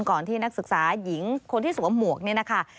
ที่นักศึกษาหญิงคนที่สวมหมวกนี่นะคะ